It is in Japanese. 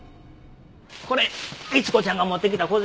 これ逸子ちゃんが持ってきた小銭ね。